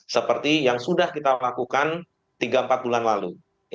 seperti yang sudah kita lakukan tiga empat bulan lalu